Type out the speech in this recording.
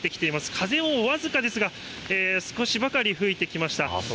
風もわずかですが、少しばかり吹いてきました。